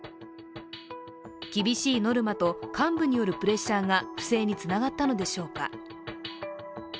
厳しいノルマと幹部によるプレッシャーが不正につながったのでしょうか。